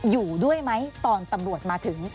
อยู่ด้วยไหมตอนตำรวจมาถึง